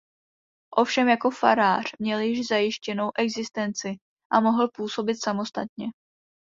Ovšem jako farář měl již zajištěnou existenci a mohl působit samostatně.